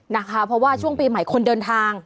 นะคะเพราะว่าช่วงปีใหม่คนเดินทาง